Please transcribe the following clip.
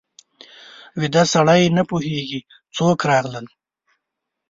ویده سړی نه پوهېږي څوک راغلل